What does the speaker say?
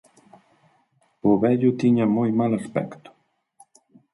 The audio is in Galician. O vello tiña moi mal aspecto.